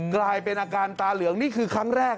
กลายเป็นอาการตาเหลืองนี่คือครั้งแรก